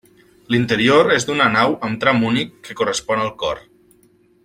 L'interior és d'una nau amb tram únic que correspon al cor.